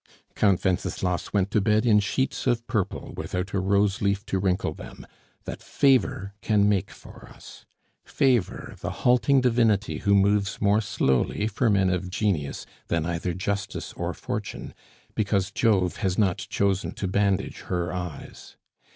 '" Count Wenceslas went to bed in sheets of purple, without a rose leaf to wrinkle them, that Favor can make for us Favor, the halting divinity who moves more slowly for men of genius than either Justice or Fortune, because Jove has not chosen to bandage her eyes.